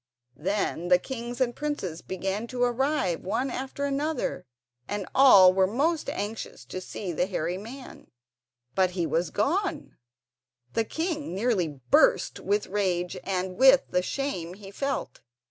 Then the kings and princes began to arrive one after another, and all were most anxious to see the hairy man; but he was gone! The king nearly burst with rage and with the shame he felt.